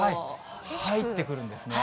入ってくるんですね。